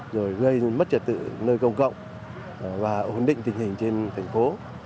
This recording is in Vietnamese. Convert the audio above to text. rồi gây mất trật tự nơi công cộng và ổn định tình hình trên thành phố